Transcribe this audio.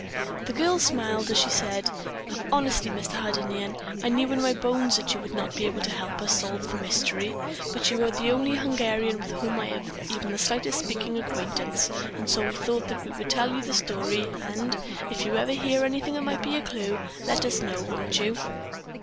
The girl smiled as she said: "Honestly, Mr. Hardinian, I knew in my bones that you would not be able to help us solve the mystery, but you were the only Hungarian with whom I had even the slightest speaking acquaintance, and so we thought that we would tell you the story and, if you ever hear anything that might be a clue, let us know, won't you?"